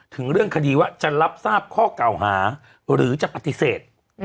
ถึงเรื่องคดีว่าจะรับทราบข้อเก่าหาหรือจะปฏิเสธ